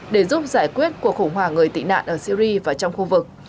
để giúp giải quyết cuộc khủng hoảng người tị nạn ở syri và trong khu vực